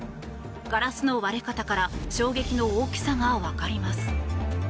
ガラスの割れ方から衝撃の大きさがわかります。